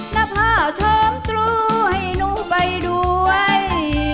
น้าพ่อชอบตรู่ให้หนูไปด้วย